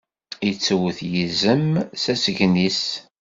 Ittuwwet yizem s asgen-is.